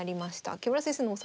木村先生の王様